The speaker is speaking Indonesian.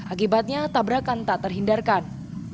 akibatnya tabrakan tak terhindarkan